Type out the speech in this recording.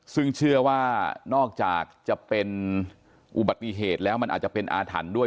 ซึ่งเชื่อว่านอกจากจะเป็นอุบัติเหตุแล้วมันอาจจะเป็นอาถรรพ์ด้วย